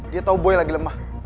dia tahu buaya lagi lemah